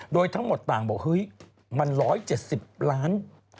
โดยทั้งหมดต่างบอกเฮ้ยมัน๑๗๐ล้าน